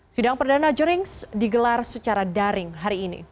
sidang perdana jerings digelar secara daring hari ini